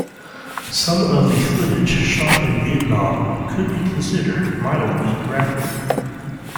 Some of the footage shot in Vietnam could be considered mildly graphic.